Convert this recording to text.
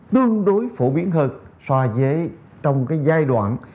tương đối phổ biến hơn so với trong cái giai đoạn